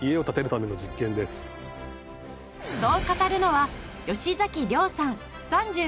そう語るのは吉崎遼さん３８歳。